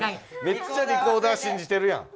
めっちゃリコーダーしんじてるやん。